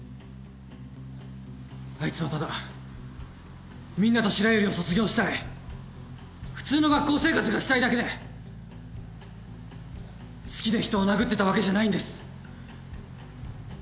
あいつはただみんなと白百合を卒業したい普通の学校生活がしたいだけで好きで人を殴ってたわけじゃないんです。